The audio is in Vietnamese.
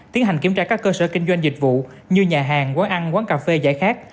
tiến hành kiểm tra các cơ sở kinh doanh dịch vụ như nhà hàng quán ăn quán cà phê giải khát